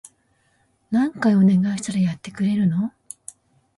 何回お願いしたらやってくれるの？